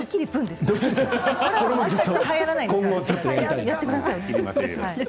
でも、はやらないんです。